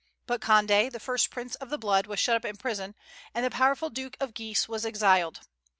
But Condé, the first prince of the blood, was shut up in prison, and the powerful Duke of Guise was exiled.